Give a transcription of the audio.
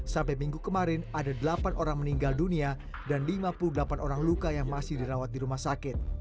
sampai minggu kemarin ada delapan orang meninggal dunia dan lima puluh delapan orang luka yang masih dirawat di rumah sakit